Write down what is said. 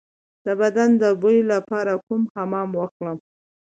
د بدن د بوی لپاره کوم حمام وکړم؟